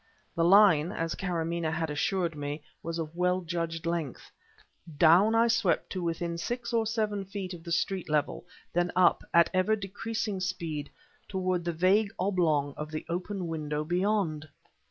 The line, as Karamaneh had assured me, was of well judged length. Down I swept to within six or seven feet of the street level, then up, at ever decreasing speed, toward the vague oblong of the open window beyond.